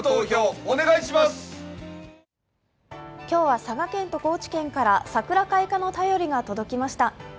今日は佐賀県と高知県から桜開花の便りが届きました。